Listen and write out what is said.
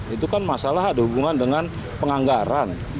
itu kan masalah ada hubungan dengan penganggaran